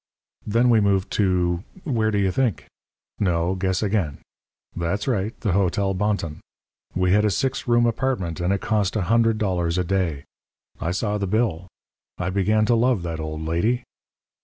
"Then we moved to where do you think? no; guess again that's right the Hotel Bonton. We had a six room apartment; and it cost $100 a day. I saw the bill. I began to love that old lady.